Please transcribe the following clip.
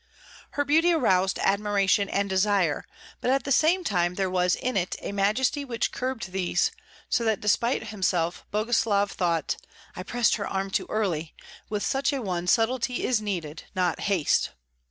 Her beauty aroused admiration and desire; but at the same time there was in it a majesty which curbed these, so that despite himself Boguslav thought, "I pressed her arm too early; with such a one subtlety is needed, not haste!"